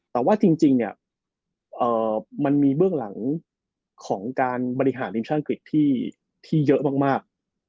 แต่ว่าจริงเนี่ยมันมีเบื้องหลังของการบริหารทีมชาติอังกฤษที่เยอะมาก